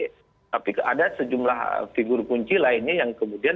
tapi ada sejumlah figur kunci lainnya yang kemudian